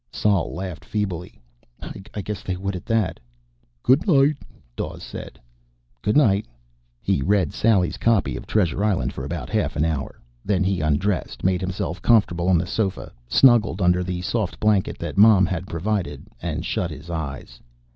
Sol laughed feebly. "I guess they would at that." "Goodnight," Dawes said. "Goodnight." He read Sally's copy of Treasure Island for about half an hour. Then he undressed, made himself comfortable on the sofa, snuggled under the soft blanket that Mom had provided, and shut his eyes.